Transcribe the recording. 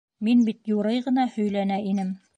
Мин бит юрый ғына һөйләнә инем!